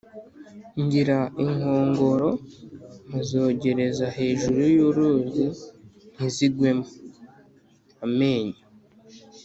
Ngira inkongoro nkazogereza hejuru y'uruzi ntizigwemo-Amenyo.